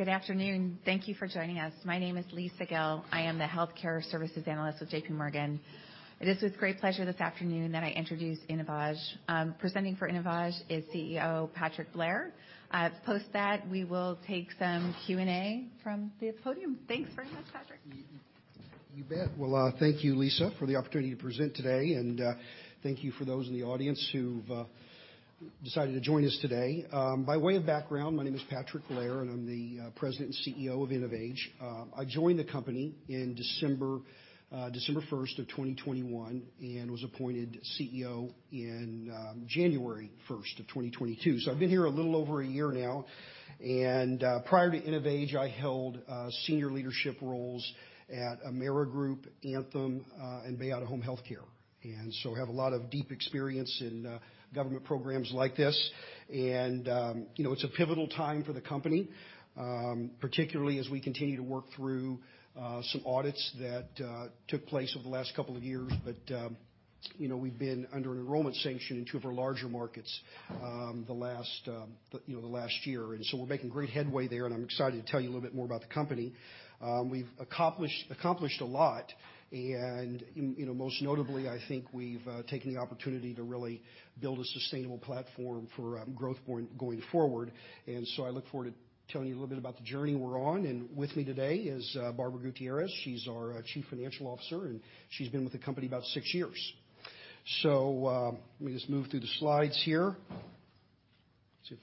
Good afternoon. Thank you for joining us. My name is Lisa Gill. I am the Healthcare Services Analyst with JPMorgan. It is with great pleasure this afternoon that I introduce InnovAge. Presenting for InnovAge is CEO Patrick Blair. Post that, we will take some Q&A from the podium. Thanks very much, Patrick. You bet. Well, thank you, Lisa, for the opportunity to present today. Thank you for those in the audience who've decided to join us today. By way of background, my name is Patrick Blair, and I'm the President and CEO of InnovAge. I joined the company in December 1st of 2021 and was appointed CEO in January 1st of 2022. I've been here a little over a year now. Prior to InnovAge, I held senior leadership roles at Amerigroup, Anthem, and BAYADA Home Health Care. I have a lot of deep experience in government programs like this. You know, it's a pivotal time for the company, particularly as we continue to work through some audits that took place over the last couple of years. You know, we've been under an enrollment sanction in two of our larger markets, the last, you know, the last year. We're making great headway there, and I'm excited to tell you a little bit more about the company. We've accomplished a lot. You know, most notably, I think we've taken the opportunity to really build a sustainable platform for growth point going forward. I look forward to telling you a little bit about the journey we're on. With me today is Barb Gutierrez. She's our Chief Financial Officer, and she's been with the company about six years. Let me just move through the slides here. Let's see.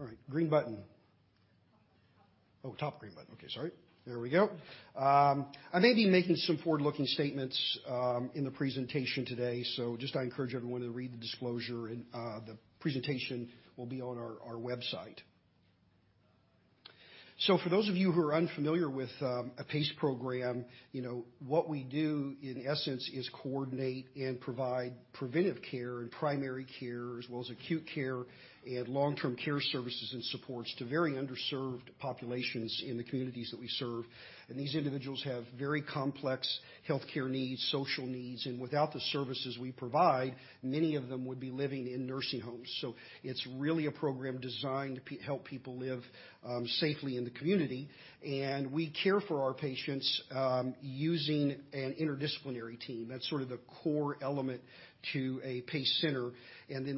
All right. Green button. Top. Oh, top green button. Okay. Sorry. There we go. I may be making some forward-looking statements in the presentation today. Just I encourage everyone to read the disclosure and the presentation will be on our website. For those of you who are unfamiliar with a PACE program, you know, what we do in essence, is coordinate and provide preventive care and primary care, as well as acute care and long-term care services and supports to very underserved populations in the communities that we serve. These individuals have very complex healthcare needs, social needs. Without the services we provide, many of them would be living in nursing homes. It's really a program designed to help people live safely in the community. We care for our patients using an interdisciplinary team. That's sort of the core element to a PACE center.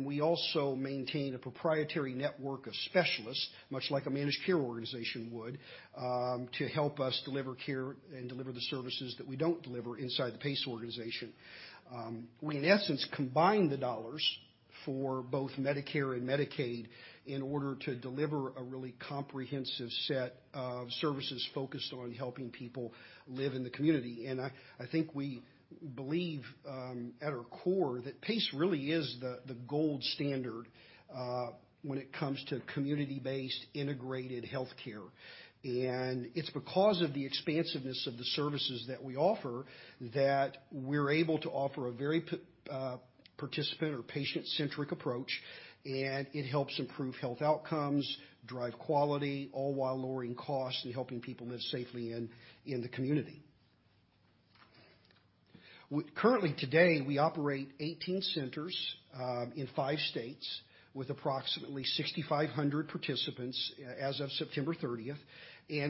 We also maintain a proprietary network of specialists, much like a managed care organization would, to help us deliver care and deliver the services that we don't deliver inside the PACE organization. We in essence combine the dollars for both Medicare and Medicaid in order to deliver a really comprehensive set of services focused on helping people live in the community. I think we believe at our core that PACE really is the gold standard when it comes to community-based integrated healthcare. It's because of the expansiveness of the services that we offer that we're able to offer a very participant or patient-centric approach. It helps improve health outcomes, drive quality, all while lowering costs and helping people live safely in the community. Currently today, we operate 18 centers in five states with approximately 6,500 participants as of September 30th.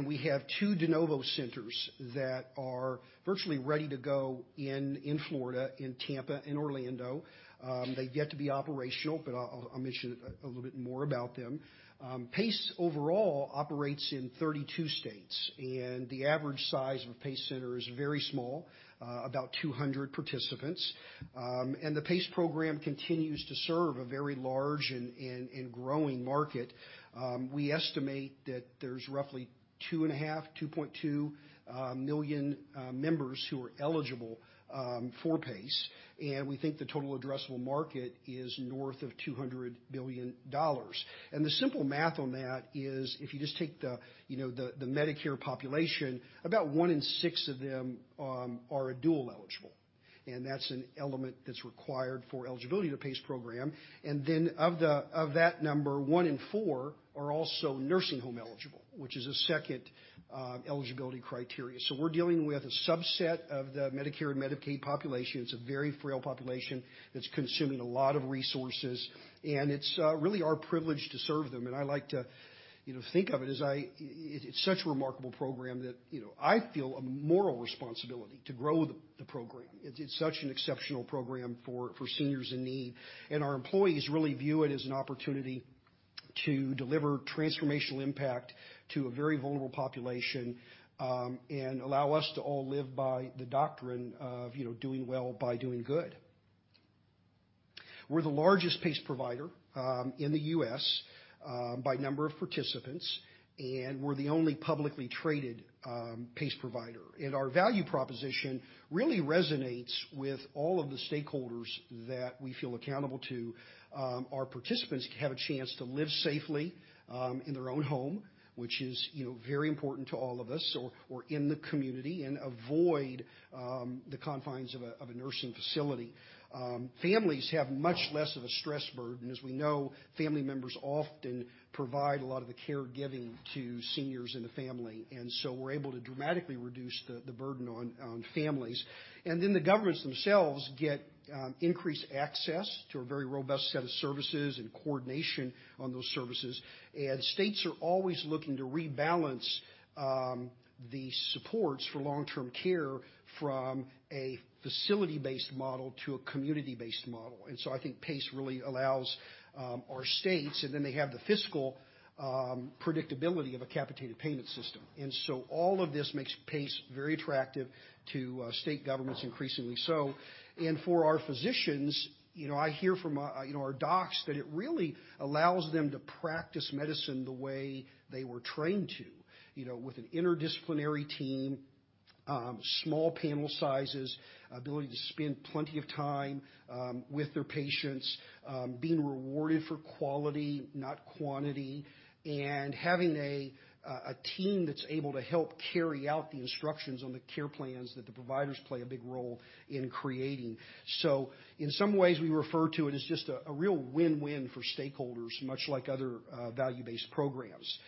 We have two de novo centers that are virtually ready to go in Florida, in Tampa and Orlando. They've yet to be operational, but I'll mention a little bit more about them. PACE overall operates in 32 states, and the average size of a PACE center is very small, about 200 participants. The PACE program continues to serve a very large and growing market. We estimate that there's roughly 2.5, 2.2 million members who are eligible for PACE, and we think the total addressable market is north of $200 billion. The simple math on that is if you just take the, you know, the Medicare population, about one in six of them are a dual eligible. That's an element that's required for eligibility to the PACE program. Of that number, one in four are also nursing home eligible, which is a second eligibility criteria. We're dealing with a subset of the Medicare and Medicaid population. It's a very frail population that's consuming a lot of resources, and it's really our privilege to serve them. I like to, you know, think of it as it's such a remarkable program that, you know, I feel a moral responsibility to grow the program. It's such an exceptional program for seniors in need. Our employees really view it as an opportunity to deliver transformational impact to a very vulnerable population, and allow us to all live by the doctrine of, you know, doing well by doing good. We're the largest PACE provider, in the U.S., by number of participants, and we're the only publicly traded, PACE provider. Our value proposition really resonates with all of the stakeholders that we feel accountable to. Our participants have a chance to live safely, in their own home. Which is, you know, very important to all of us or in the community, and avoid the confines of a nursing facility. Families have much less of a stress burden. As we know, family members often provide a lot of the caregiving to seniors in the family. We're able to dramatically reduce the burden on families. The governments themselves get increased access to a very robust set of services and coordination on those services. States are always looking to rebalance the supports for long-term care from a facility-based model to a community-based model. I think PACE really allows our states, and then they have the fiscal predictability of a capitated payment system. All of this makes PACE very attractive to state governments increasingly so. For our physicians, you know, I hear from, you know, our docs that it really allows them to practice medicine the way they were trained to. You know, with an interdisciplinary team, small panel sizes, ability to spend plenty of time with their patients, being rewarded for quality, not quantity, and having a team that's able to help carry out the instructions on the care plans that the providers play a big role in creating. In some ways, we refer to it as just a real win-win for stakeholders, much like other value-based programs.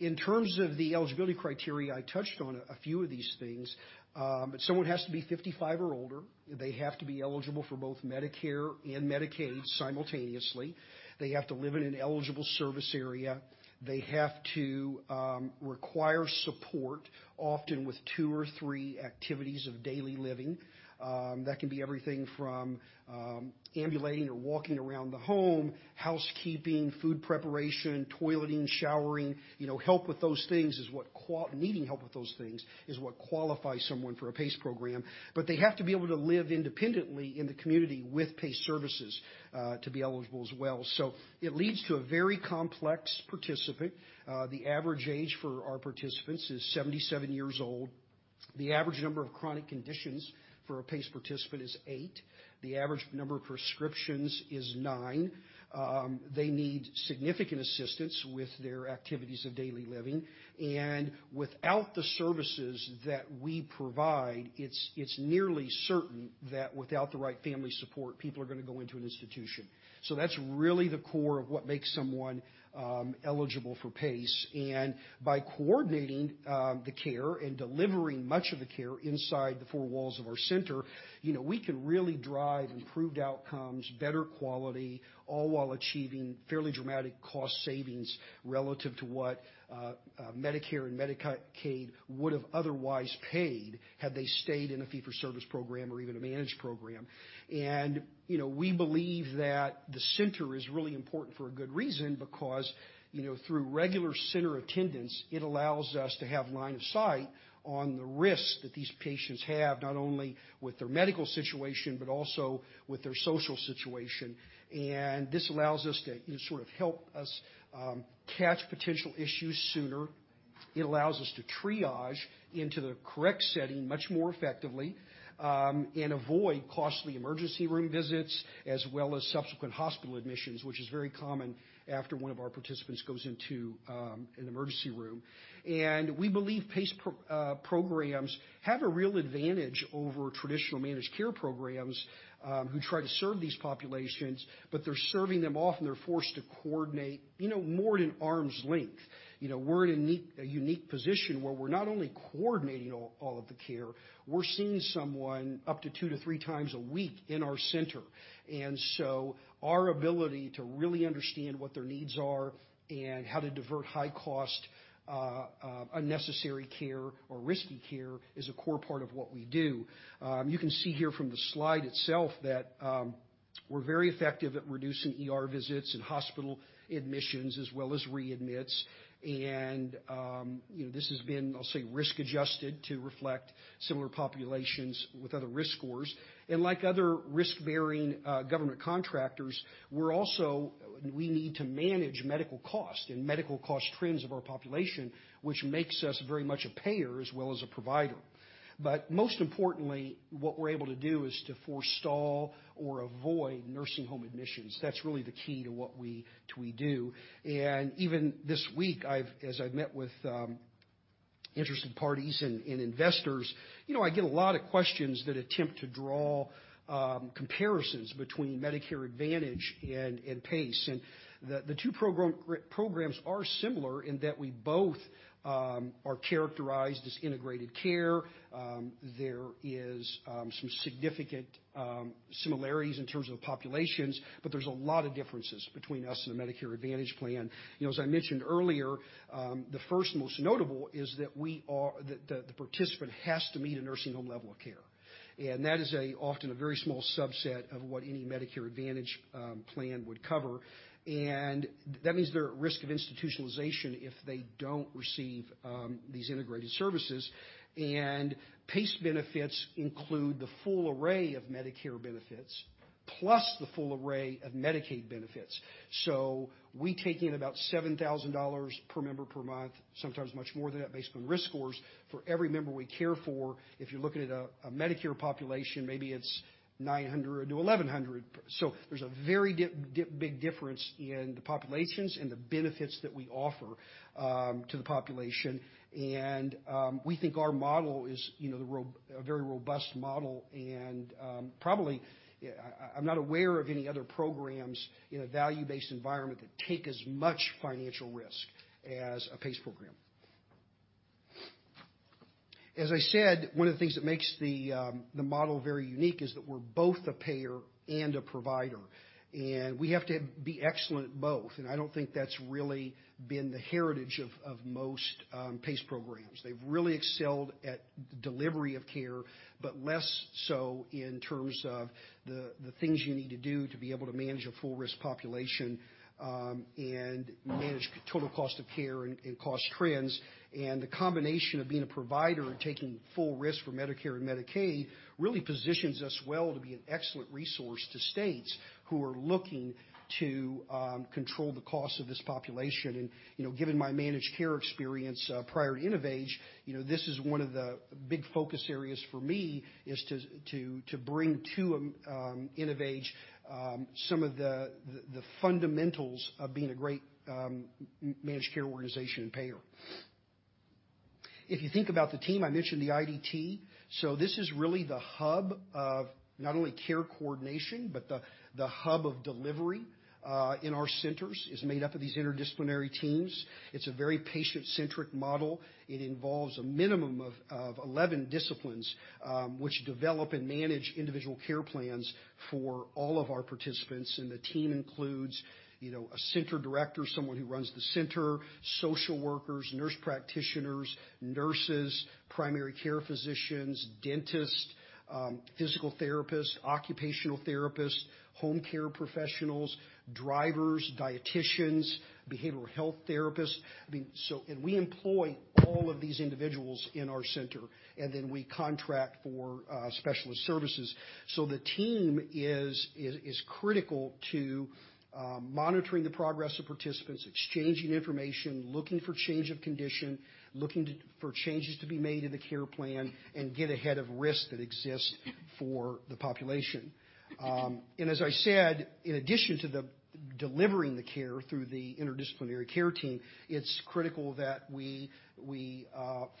In terms of the eligibility criteria, I touched on a few of these things, but someone has to be 55 or older. They have to be eligible for both Medicare and Medicaid simultaneously. They have to live in an eligible service area. They have to require support, often with two or three activities of daily living. That can be everything from ambulating or walking around the home, housekeeping, food preparation, toileting, showering. You know, needing help with those things is what qualifies someone for a PACE program. They have to be able to live independently in the community with PACE services to be eligible as well. It leads to a very complex participant. The average age for our participants is 77 years old. The average number of chronic conditions for a PACE participant is eight. The average number of prescriptions is nine. They need significant assistance with their activities of daily living. Without the services that we provide, it's nearly certain that without the right family support, people are gonna go into an institution. That's really the core of what makes someone eligible for PACE. By coordinating the care and delivering much of the care inside the four walls of our center, you know, we can really drive improved outcomes, better quality, all while achieving fairly dramatic cost savings relative to what Medicare and Medicaid would've otherwise paid, had they stayed in a fee-for-service program or even a managed program. You know, we believe that the center is really important for a good reason, because, you know, through regular center attendance, it allows us to have line of sight on the risks that these patients have, not only with their medical situation but also with their social situation. This allows us to sort of help us catch potential issues sooner. It allows us to triage into the correct setting much more effectively, and avoid costly emergency room visits, as well as subsequent hospital admissions, which is very common after one of our participants goes into an emergency room. We believe PACE programs have a real advantage over traditional managed care programs, who try to serve these populations, but they're serving them often they're forced to coordinate, you know, more at an arm's length. You know, we're in a unique position where we're not only coordinating all of the care, we're seeing someone up to two to three times a week in our center. Our ability to really understand what their needs are and how to divert high-cost unnecessary care or risky care is a core part of what we do. You can see here from the slide itself that we're very effective at reducing ER visits and hospital admissions, as well as readmits. You know, this has been, I'll say, risk-adjusted to reflect similar populations with other risk scores. Like other risk-bearing government contractors, We need to manage medical costs and medical cost trends of our population, which makes us very much a payer as well as a provider. Most importantly, what we're able to do is to forestall or avoid nursing home admissions. That's really the key to what we do. Even this week, as I've met with interested parties and investors, you know, I get a lot of questions that attempt to draw comparisons between Medicare Advantage and PACE. The two programs are similar in that we both are characterized as integrated care. There is some significant similarities in terms of populations, but there's a lot of differences between us and a Medicare Advantage plan. You know, as I mentioned earlier, the first most notable is that the participant has to meet a nursing home level of care. That is a often a very small subset of what any Medicare Advantage plan would cover. That means they're at risk of institutionalization if they don't receive these integrated services. PACE benefits include the full array of Medicare benefits, plus the full array of Medicaid benefits. We take in about $7,000 per member per month, sometimes much more than that based on risk scores for every member we care for. If you're looking at a Medicare population, maybe it's 900-1,100. There's a very big difference in the populations and the benefits that we offer to the population. We think our model is, you know, a very robust model. Probably, I'm not aware of any other programs in a value-based environment that take as much financial risk as a PACE program. As I said, one of the things that makes the model very unique is that we're both a payer and a provider, and we have to be excellent at both. I don't think that's really been the heritage of most PACE programs. They've really excelled at delivery of care, but less so in terms of the things you need to do to be able to manage a full risk population, and manage total cost of care and cost trends. The combination of being a provider and taking full risk for Medicare and Medicaid really positions us well to be an excellent resource to states who are looking to, control the cost of this population. You know, given my managed care experience, prior to InnovAge, you know, this is one of the big focus areas for me, is to bring to, InnovAge, some of the fundamentals of being a great, managed care organization and payer. If you think about the team, I mentioned the IDT. This is really the hub of not only care coordination, but the hub of delivery in our centers is made up of these interdisciplinary teams. It's a very patient-centric model. It involves a minimum of 11 disciplines, which develop and manage individual care plans for all of our participants. The team includes, you know, a center director, someone who runs the center, social workers, nurse practitioners, nurses, primary care physicians, dentists, physical therapists, occupational therapists, home care professionals, drivers, dieticians, behavioral health therapists. I mean, we employ all of these individuals in our center, and then we contract for specialist services. The team is critical to monitoring the progress of participants, exchanging information, looking for change of condition, looking for changes to be made in the care plan, and get ahead of risk that exists for the population. As I said, in addition to the delivering the care through the interdisciplinary care team, it's critical that we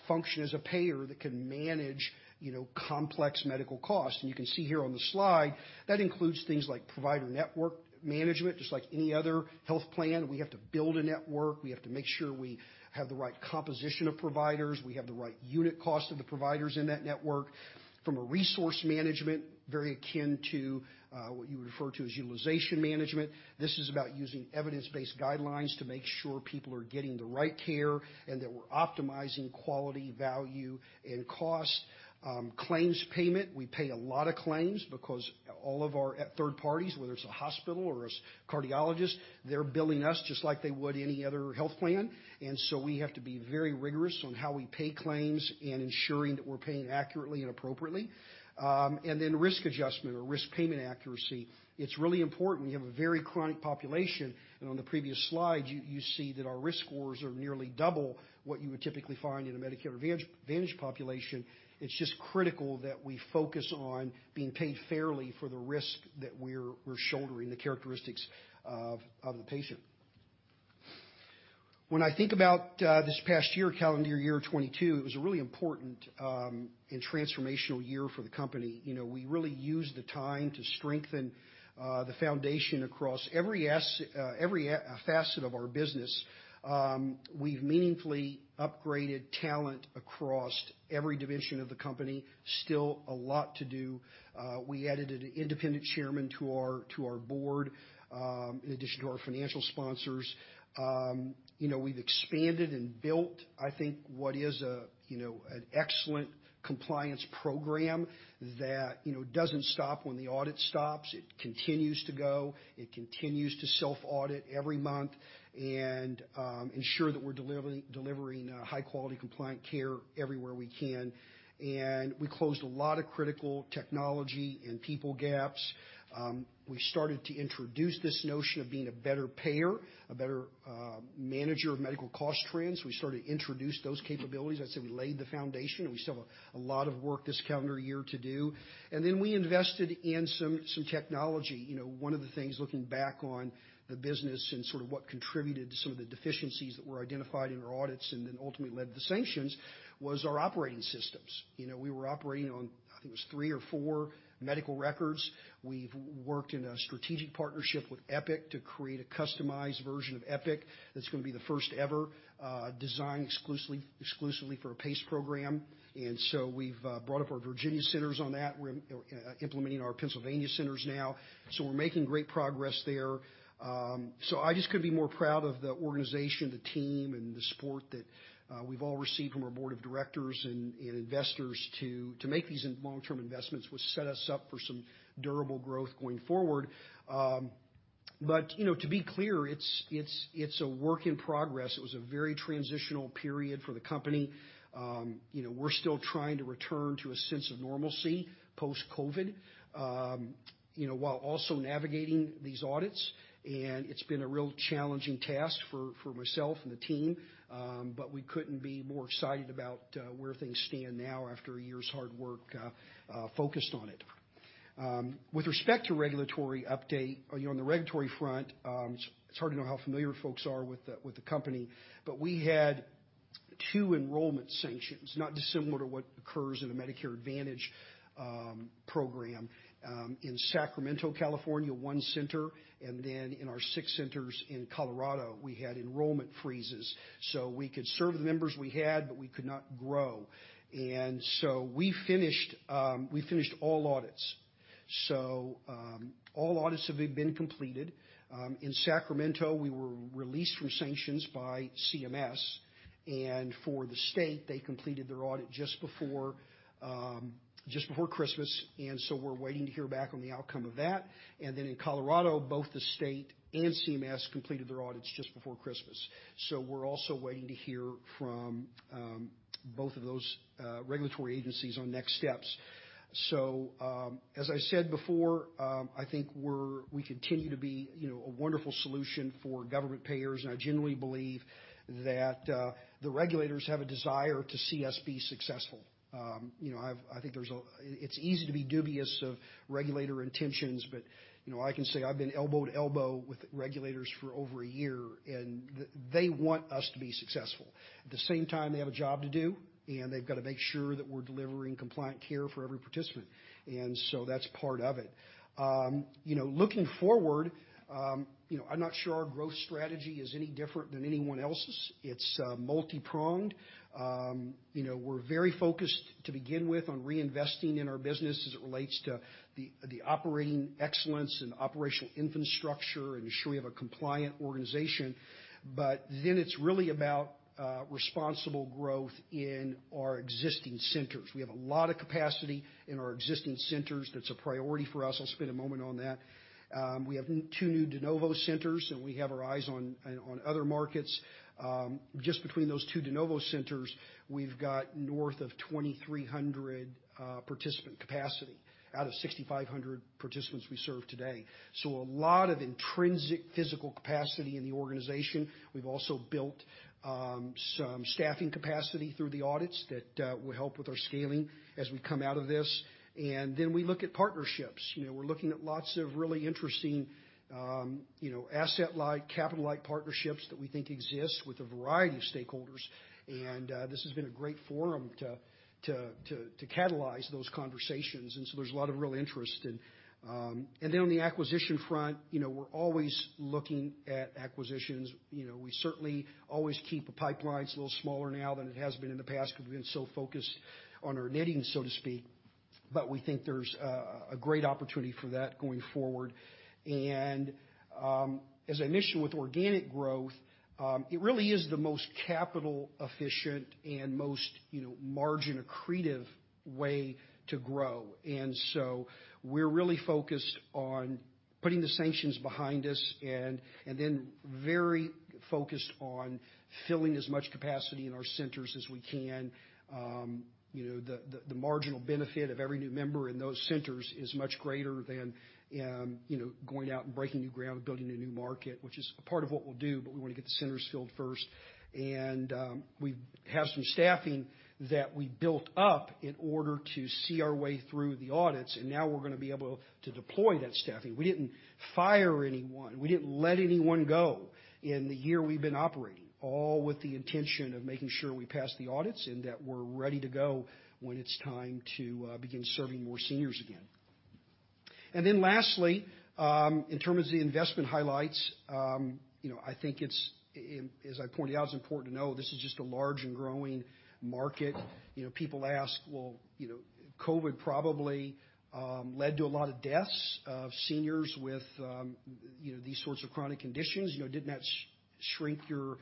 function as a payer that can manage, you know, complex medical costs. You can see here on the slide that includes things like provider network management. Just like any other health plan, we have to build a network. We have to make sure we have the right composition of providers. We have the right unit cost of the providers in that network. From a resource management, very akin to what you would refer to as utilization management, this is about using evidence-based guidelines to make sure people are getting the right care and that we're optimizing quality, value, and cost. Claims payment. We pay a lot of claims because all of our third parties, whether it's a hospital or a cardiologist, they're billing us just like they would any other health plan. We have to be very rigorous on how we pay claims and ensuring that we're paying accurately and appropriately. And then risk adjustment or risk payment accuracy, it's really important. We have a very chronic population. On the previous slide, you see that our risk scores are nearly double what you would typically find in a Medicare Advantage population. It's just critical that we focus on being paid fairly for the risk that we're shouldering the characteristics of the patient. When I think about this past year, calendar year 2022, it was a really important and transformational year for the company. You know, we really used the time to strengthen the foundation across every facet of our business. We've meaningfully upgraded talent across every division of the company. Still a lot to do. We added an independent chairman to our board in addition to our financial sponsors. You know, we've expanded and built, I think, what is a, you know, an excellent compliance program that, you know, doesn't stop when the audit stops. It continues to go. It continues to self-audit every month and ensure that we're delivering high-quality compliant care everywhere we can. We closed a lot of critical technology and people gaps. We started to introduce this notion of being a better payer, a better manager of medical cost trends. We started to introduce those capabilities. I'd say we laid the foundation, and we still have a lot of work this calendar year to do. Then we invested in some technology. You know, one of the things, looking back on the business and sort of what contributed to some of the deficiencies that were identified in our audits and then ultimately led to the sanctions was our operating systems. You know, we were operating on, I think it was three or four medical records. We've worked in a strategic partnership with Epic to create a customized version of Epic that's gonna be the first ever designed exclusively for a PACE program. We've brought up our Virginia centers on that. We're implementing our Pennsylvania centers now. We're making great progress there. I just couldn't be more proud of the organization, the team, and the support that we've all received from our board of directors and investors to make these long-term investments, which set us up for some durable growth going forward. You know, to be clear, it's a work in progress. It was a very transitional period for the company. You know, we're still trying to return to a sense of normalcy post-COVID, you know, while also navigating these audits, and it's been a real challenging task for myself and the team. We couldn't be more excited about where things stand now after a year's hard work focused on it. With respect to regulatory update, you know, on the regulatory front, it's hard to know how familiar folks are with the company, we had two enrollment sanctions, not dissimilar to what occurs in a Medicare Advantage program. In Sacramento, California, one center, then in our six centers in Colorado, we had enrollment freezes. We could serve the members we had, we could not grow. We finished all audits. All audits have been completed. In Sacramento, we were released from sanctions by CMS, and for the state, they completed their audit just before Christmas. We're waiting to hear back on the outcome of that. In Colorado, both the state and CMS completed their audits just before Christmas. We're also waiting to hear from both of those regulatory agencies on next steps. As I said before, I think we continue to be, you know, a wonderful solution for government payers, and I generally believe that the regulators have a desire to see us be successful. You know, I think there's a. It's easy to be dubious of regulator intentions, but, you know, I can say I've been elbow to elbow with regulators for over a year, and they want us to be successful. At the same time, they have a job to do, and they've got to make sure that we're delivering compliant care for every participant. That's part of it. You know, looking forward, you know, I'm not sure our growth strategy is any different than anyone else's. It's multipronged. You know, we're very focused to begin with on reinvesting in our business as it relates to the operating excellence and operational infrastructure, and ensuring we have a compliant organization. It's really about responsible growth in our existing centers. We have a lot of capacity in our existing centers. That's a priority for us. I'll spend a moment on that. We have two new de novo centers. We have our eyes on other markets. Just between those two de novo centers, we've got north of 2,300 participant capacity out of 6,500 participants we serve today. A lot of intrinsic physical capacity in the organization. We've also built some staffing capacity through the audits that will help with our scaling as we come out of this. Then we look at partnerships. You know, we're looking at lots of really interesting, you know, asset-like, capital-like partnerships that we think exist with a variety of stakeholders. This has been a great forum to catalyze those conversations. There's a lot of real interest. Then on the acquisition front, you know, we're always looking at acquisitions. You know, we certainly always keep the pipelines a little smaller now than it has been in the past because we've been so focused on our knitting, so to speak. We think there's a great opportunity for that going forward. As I mentioned with organic growth, it really is the most capital efficient and most, you know, margin accretive way to grow. We're really focused on putting the sanctions behind us and then very focused on filling as much capacity in our centers as we can. You know, the marginal benefit of every new member in those centers is much greater than, you know, going out and breaking new ground and building a new market, which is a part of what we'll do, but we want to get the centers filled first. We have some staffing that we built up in order to see our way through the audits, and now we're gonna be able to deploy that staffing. We didn't fire anyone. We didn't let anyone go in the year we've been operating, all with the intention of making sure we pass the audits and that we're ready to go when it's time to begin serving more seniors again. Lastly, in terms of the investment highlights, you know, I think it's, as I pointed out, it's important to know this is just a large and growing market. You know, people ask: Well, you know, COVID probably led to a lot of deaths of seniors with, you know, these sorts of chronic conditions. You know, didn't that shrink your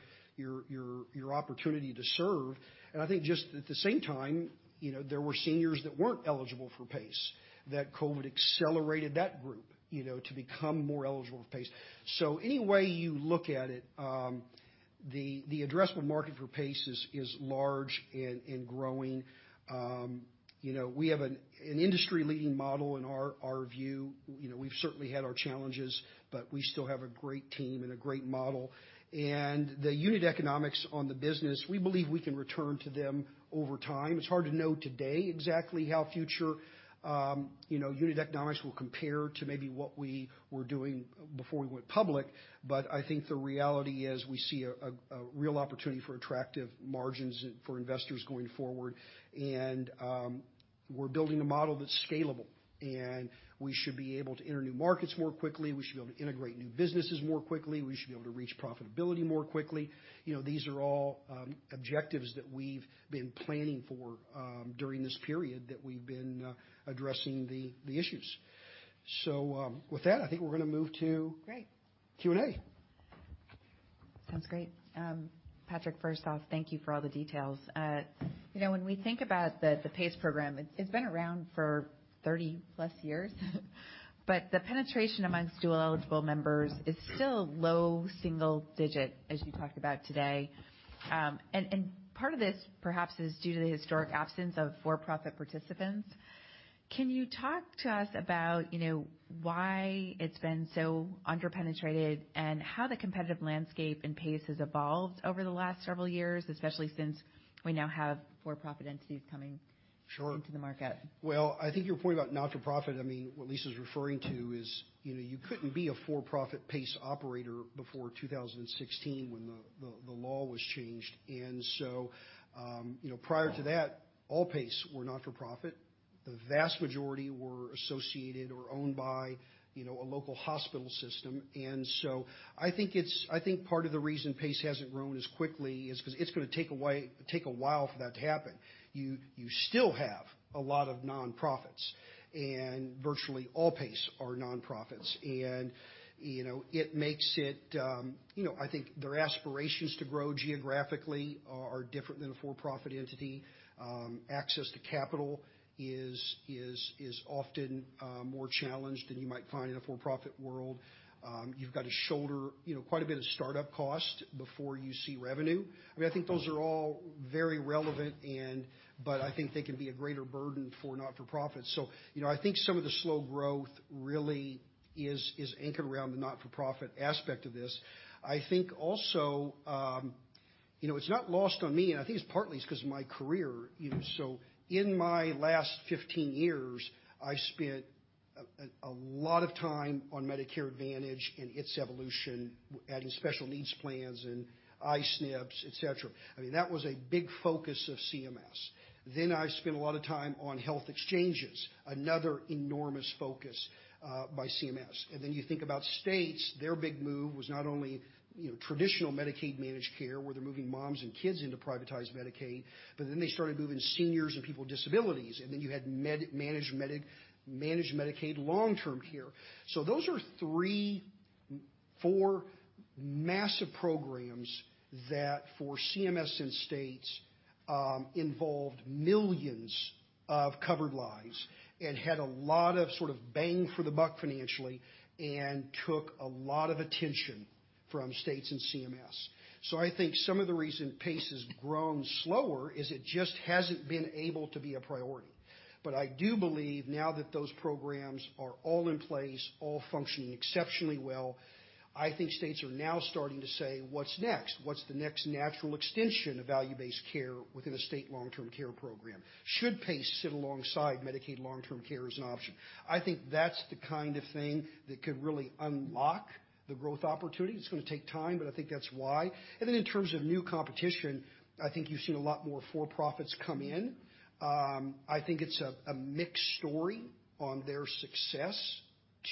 opportunity to serve? I think just at the same time, you know, there were seniors that weren't eligible for PACE, that COVID accelerated that group, you know, to become more eligible for PACE. Any way you look at it, the addressable market for PACE is large and growing. You know, we have an industry-leading model in our view. You know, we've certainly had our challenges, but we still have a great team and a great model. The unit economics on the business, we believe we can return to them over time. It's hard to know today exactly how future, you know, unit economics will compare to maybe what we were doing before we went public. I think the reality is we see a, a real opportunity for attractive margins for investors going forward. We're building a model that's scalable, and we should be able to enter new markets more quickly. We should be able to integrate new businesses more quickly. We should be able to reach profitability more quickly. You know, these are all objectives that we've been planning for, during this period that we've been addressing the issues. With that, I think we're gonna move to. Great. Q&A. Sounds great. Patrick, first off, thank you for all the details. You know, when we think about the PACE program, it's been around for 30 plus years, but the penetration amongst dual-eligible members is still low single-digit, as you talked about today. Part of this perhaps is due to the historic absence of for-profit participants. Can you talk to us about, you know, why it's been so under-penetrated and how the competitive landscape in PACE has evolved over the last several years, especially since we now have for-profit entities coming in? Sure into the market? Well, I think your point about not-for-profit, I mean, what Lisa's referring to is, you know, you couldn't be a for-profit PACE operator before 2016 when the law was changed. Prior to that, all PACE were not-for-profit. The vast majority were associated or owned by, you know, a local hospital system. I think part of the reason PACE hasn't grown as quickly is 'cause it's gonna take a while for that to happen. You still have a lot of nonprofits, and virtually all PACE are nonprofits. You know, it makes it, you know, I think their aspirations to grow geographically are different than a for-profit entity. Access to capital is often more challenged than you might find in a for-profit world. You've got to shoulder, you know, quite a bit of startup cost before you see revenue. I mean, I think those are all very relevant. I think they can be a greater burden for not-for-profit. You know, I think some of the slow growth really is anchored around the not-for-profit aspect of this. I think also, you know, it's not lost on me, and I think it's partly is 'cause of my career, you know. In my last 15 years, I spent a lot of time on Medicare Advantage and its evolution, adding Special Needs Plans and I-SNPs, et cetera. I mean, that was a big focus of CMS. I spent a lot of time on health exchanges, another enormous focus by CMS. You think about states, their big move was not only, you know, traditional Medicaid managed care, where they're moving moms and kids into privatized Medicaid, but then they started moving seniors and people with disabilities. You had Managed Medicaid Long-Term Care. Those are three, four massive programs that for CMS and states involved millions of covered lives and had a lot of sort of bang for the buck financially and took a lot of attention from states and CMS. I think some of the reason PACE has grown slower is it just hasn't been able to be a priority. I do believe now that those programs are all in place, all functioning exceptionally well, I think states are now starting to say, "What's next? What's the next natural extension of value-based care within a state long-term care program? Should PACE sit alongside Medicaid Long-Term Care as an option?" I think that's the kind of thing that could really unlock the growth opportunity. It's gonna take time, but I think that's why. In terms of new competition, I think you've seen a lot more for-profits come in. I think it's a mixed story on their success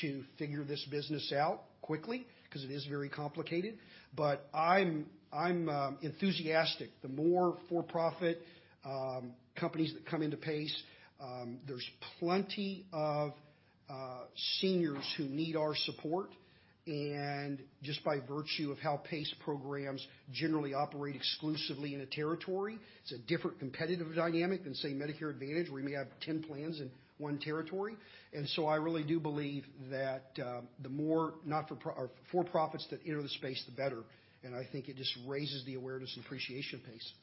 to figure this business out quickly 'cause it is very complicated. I'm enthusiastic. The more for-profit companies that come into PACE, there's plenty of seniors who need our support. By virtue of how PACE programs generally operate exclusively in a territory, it's a different competitive dynamic than, say, Medicare Advantage, where you may have 10 plans in one territory. I really do believe that the more for-profits that enter the space, the better. I think it just raises the awareness and appreciation of PACE.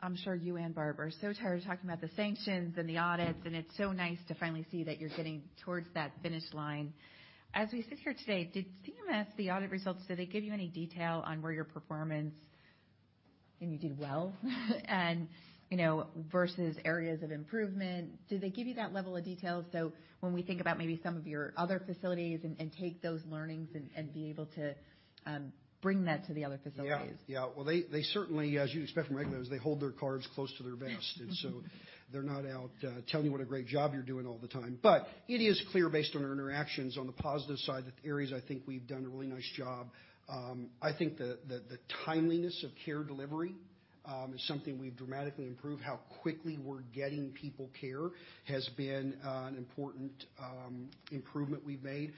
I'm sure you and Barb are so tired of talking about the sanctions and the audits. It's so nice to finally see that you're getting towards that finish line. As we sit here today, did CMS, the audit results, did they give you any detail on where your performance, and you did well, and, you know, versus areas of improvement? Did they give you that level of detail so when we think about maybe some of your other facilities and take those learnings and be able to bring that to the other facilities? Yeah. Yeah. Well, they certainly, as you'd expect from regulators, they hold their cards close to their vest. Yes. They're not out telling you what a great job you're doing all the time. It is clear, based on our interactions on the positive side, that the areas I think we've done a really nice job, I think the timeliness of care delivery is something we've dramatically improved. How quickly we're getting people care has been an important improvement we've made.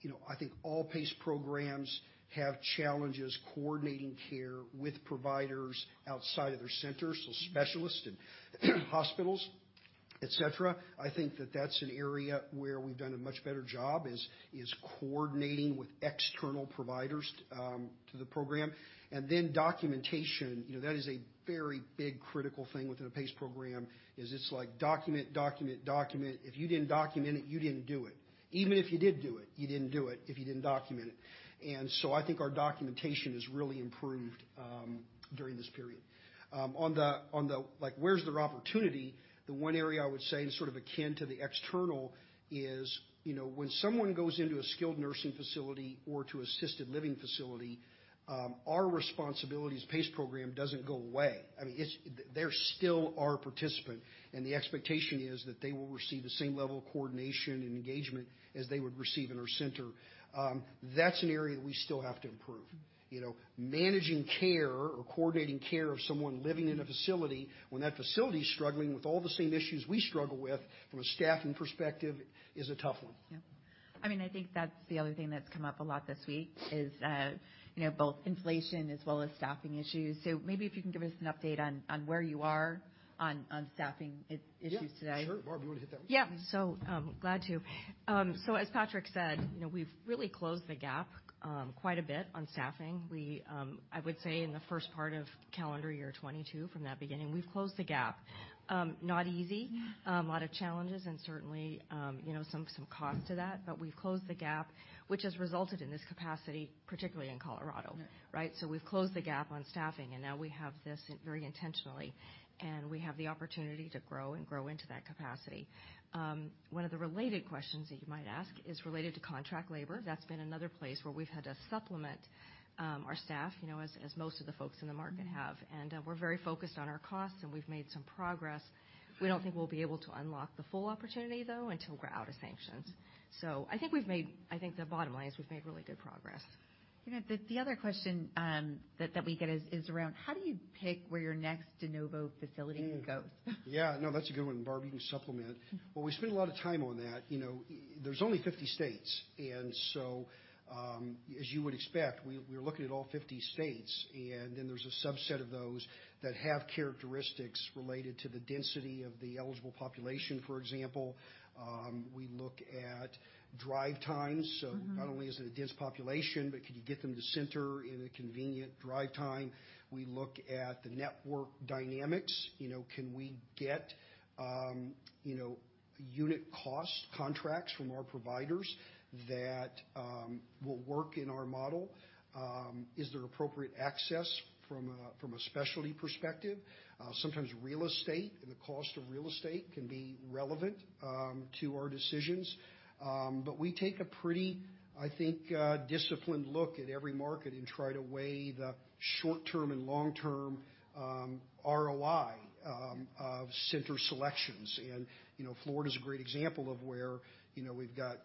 You know, I think all PACE programs have challenges coordinating care with providers outside of their centers, so specialists and hospitals, etc. I think that's an area where we've done a much better job, is coordinating with external providers to the program. Documentation, you know, that is a very big critical thing within a PACE program, is it's like document, document. If you didn't document it, you didn't do it. Even if you did do it, you didn't do it if you didn't document it. I think our documentation has really improved during this period. Where's their opportunity, the one area I would say and sort of akin to the external is, you know, when someone goes into a skilled nursing facility or to assisted living facility, our responsibility as PACE program doesn't go away. I mean, they're still our participant. The expectation is that they will receive the same level of coordination and engagement as they would receive in our center. That's an area that we still have to improve. You know, managing care or coordinating care of someone living in a facility when that facility's struggling with all the same issues we struggle with from a staffing perspective is a tough one. Yeah. I mean, I think that's the other thing that's come up a lot this week is, you know, both inflation as well as staffing issues. Maybe if you can give us an update on where you are on staffing issues today. Yeah, sure. Barb, you wanna hit that one? Yeah. Glad to. As Patrick said, you know, we've really closed the gap, quite a bit on staffing. We, I would say in the first part of calendar year 2022, from that beginning, we've closed the gap. Not easy. Mm-hmm. A lot of challenges and certainly, you know, some cost to that. We've closed the gap, which has resulted in this capacity, particularly in Colorado. Right. Right? We've closed the gap on staffing, and now we have this very intentionally, and we have the opportunity to grow and grow into that capacity. One of the related questions that you might ask is related to contract labor. That's been another place where we've had to supplement our staff, you know, as most of the folks in the market have. We're very focused on our costs, and we've made some progress. We don't think we'll be able to unlock the full opportunity, though, until we're out of sanctions. The bottom line is we've made really good progress. You know, the other question that we get is around how do you pick where your next de novo facility goes? Yeah. No, that's a good one. Barb, you can supplement. Well, we spend a lot of time on that. You know, there's only 50 states. As you would expect, we're looking at all 50 states, and then there's a subset of those that have characteristics related to the density of the eligible population, for example. We look at drive times. Mm-hmm. Not only is it a dense population, but can you get them to center in a convenient drive time? We look at the network dynamics. You know, can we get, you know, unit cost contracts from our providers that will work in our model? Is there appropriate access from a, from a specialty perspective? Sometimes real estate and the cost of real estate can be relevant to our decisions. We take a pretty, I think, disciplined look at every market and try to weigh the short-term and long-term ROI of center selections. You know, Florida's a great example of where, you know, we've got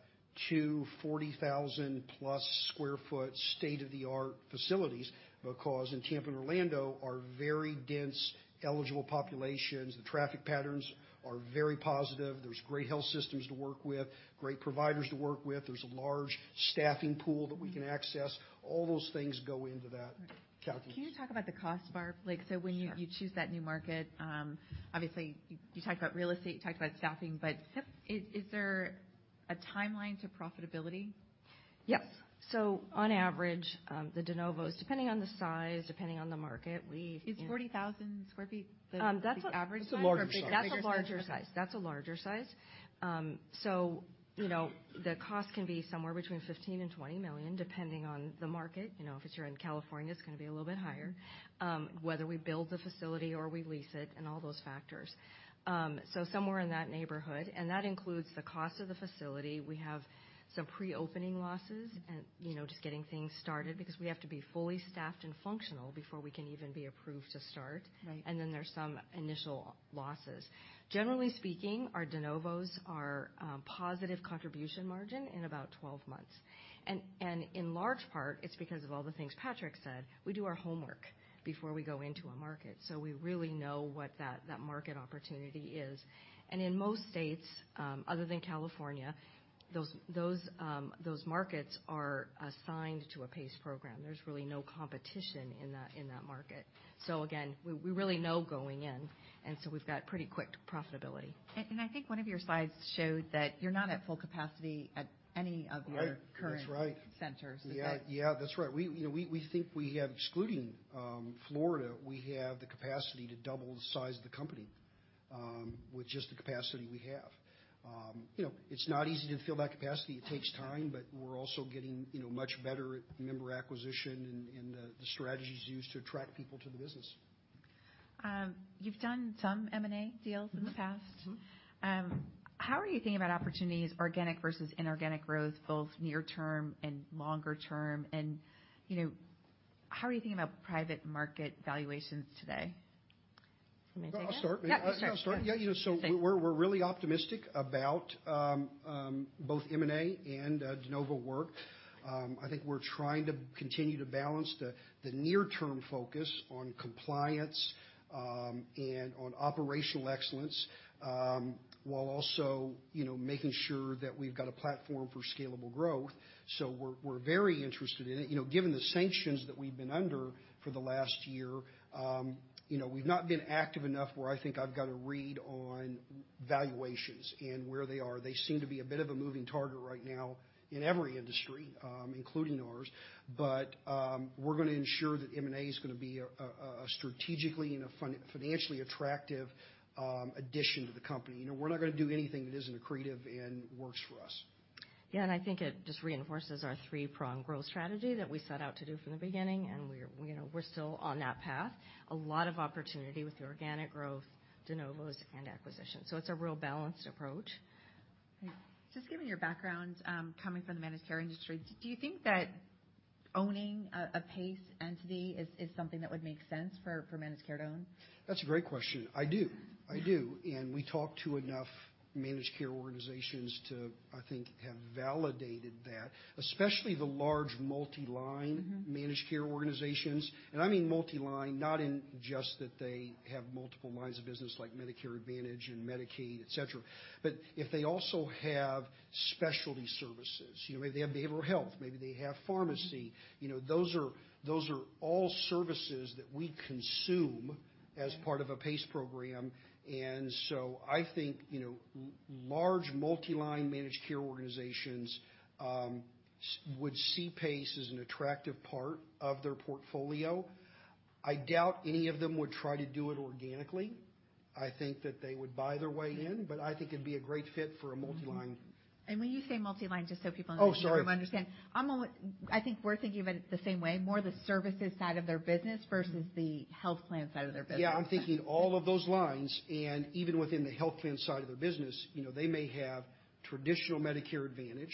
2 40,000-plus sq ft state-of-the-art facilities because in Tampa and Orlando are very dense, eligible populations. The traffic patterns are very positive. There's great health systems to work with, great providers to work with. There's a large staffing pool that we can access. All those things go into that calculation. Can you talk about the cost, Barb? Like, when you. Sure. you choose that new market, obviously you talked about real estate, you talked about staffing, but- Yep. Is there a timeline to profitability? Yes. on average, the de novos, depending on the size, depending on the market. Is forty thousand square feet the- Um, that's a- the average size? It's the larger size. That's a larger size. You know, the cost can be somewhere between $15 million and $20 million, depending on the market. You know, if it's here in California, it's gonna be a little bit higher. Whether we build the facility or we lease it, and all those factors. Somewhere in that neighborhood, and that includes the cost of the facility. We have some pre-opening losses and, you know, just getting things started because we have to be fully staffed and functional before we can even be approved to start. Right. Then there's some initial losses. Generally speaking, our de novos are positive contribution margin in about 12 months. In large part it's because of all the things Patrick said. We do our homework before we go into a market, so we really know what that market opportunity is. In most states, other than California, those markets are assigned to a PACE program. There's really no competition in that market. Again, we really know going in, and so we've got pretty quick profitability. I think one of your slides showed that you're not at full capacity at any of your- Right. That's right. -current centers. Is that... Yeah. Yeah, that's right. We, you know, we think we have, excluding Florida, we have the capacity to double the size of the company with just the capacity we have. You know, it's not easy to fill that capacity. It takes time, we're also getting, you know, much better at member acquisition and the strategies used to attract people to the business. You've done some M&A deals in the past. Mm-hmm. Mm-hmm. How are you thinking about opportunities, organic versus inorganic growth, both near term and longer term? You know, how are you thinking about private market valuations today? You want me to take it? I'll start. Yeah, you start. Go ahead. Yeah, you know, we're really optimistic about both M&A and de novo work. I think we're trying to continue to balance the near term focus on compliance and on operational excellence while also, you know, making sure that we've got a platform for scalable growth. We're, we're very interested in it. You know, given the sanctions that we've been under for the last year, you know, we've not been active enough where I think I've got a read on valuations and where they are. They seem to be a bit of a moving target right now in every industry, including ours. We're gonna ensure that M&A is gonna be a strategically and financially attractive addition to the company. You know, we're not gonna do anything that isn't accretive and works for us. I think it just reinforces our three-pronged growth strategy that we set out to do from the beginning, and we're, you know, we're still on that path. A lot of opportunity with the organic growth, de novos, and acquisitions. It's a real balanced approach. Just given your background, coming from the managed care industry, do you think that owning a PACE entity is something that would make sense for managed care to own? That's a great question. I do. I do. We talked to enough managed care organizations to, I think, have validated that, especially the large multi-line... Mm-hmm -managed care organizations, I mean multi-line not in just that they have multiple lines of business like Medicare Advantage and Medicaid, et cetera, but if they also have specialty services. You know, maybe they have behavioral health, maybe they have pharmacy. Mm-hmm. You know, those are all services that we consume. Right as part of a PACE program. I think, you know, large multi-line managed care organizations would see PACE as an attractive part of their portfolio. I doubt any of them would try to do it organically. I think that they would buy their way in. Mm-hmm. I think it'd be a great fit for a multi-line. When you say multi-line, just so people. Oh, sorry. In this room understand. I think we're thinking about it the same way, more the services side of their business versus the health plan side of their business. Yeah. Even within the health plan side of the business, you know, they may have traditional Medicare Advantage,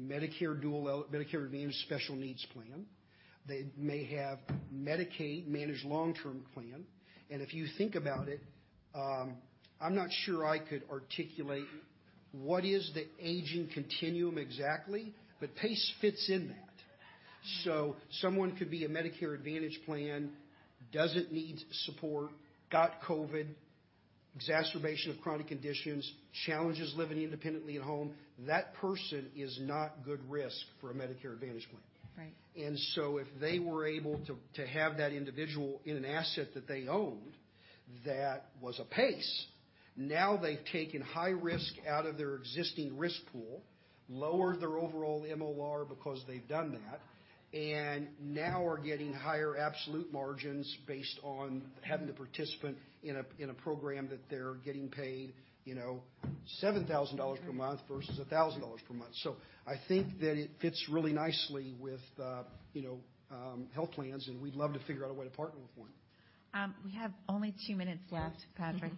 Medicare Advantage Special Needs Plan. They may have Medicaid Managed Long-Term Care. If you think about it, I'm not sure I could articulate what is the aging continuum exactly, but PACE fits in that. Someone could be a Medicare Advantage plan, doesn't need support, got COVID, exacerbation of chronic conditions, challenges living independently at home. That person is not good risk for a Medicare Advantage plan. Right. If they were able to have that individual in an asset that they owned, that was a PACE. Now they've taken high risk out of their existing risk pool, lowered their overall MLR because they've done that, and now are getting higher absolute margins based on having the participant in a program that they're getting paid, you know, $7,000 per month. Right. -versus $1,000 per month. I think that it fits really nicely with, you know, health plans, and we'd love to figure out a way to partner with one. We have only two minutes left, Patrick.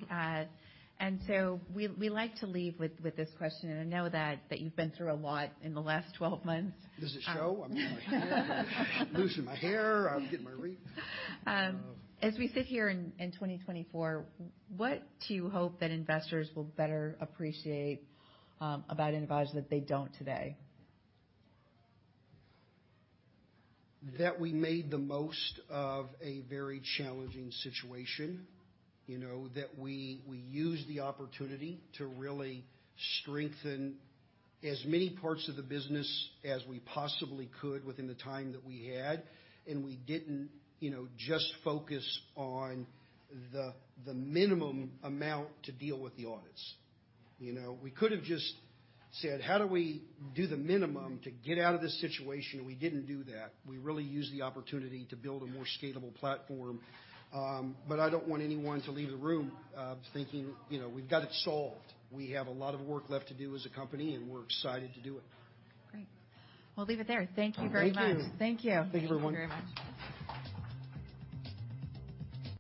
Yeah. We like to leave with this question, and I know that you've been through a lot in the last 12 months. Does it show? I'm losing my hair. I'm losing my hair. I'm getting my roots. As we sit here in 2024, what do you hope that investors will better appreciate about InnovAge that they don't today? We made the most of a very challenging situation. You know, that we used the opportunity to really strengthen as many parts of the business as we possibly could within the time that we had. We didn't, you know, just focus on the minimum amount to deal with the audits. You know, we could have just said, "How do we do the minimum to get out of this situation?" We didn't do that. We really used the opportunity to build a more scalable platform. I don't want anyone to leave the room, thinking, you know, we've got it solved. We have a lot of work left to do as a company. We're excited to do it. Great. We'll leave it there. Thank you very much. Thank you. Thank you. Thank you, everyone. Thank you very much.